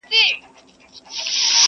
ډېوې بلي وي د علم په وطن کي مو جنګ نه وي،